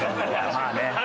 まあね。